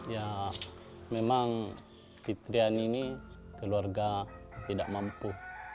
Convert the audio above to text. ya memang fitriani ini keluarga tidak mampu